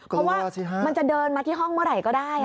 เพราะว่ามันจะเดินมาที่ห้องเมื่อไหร่ก็ได้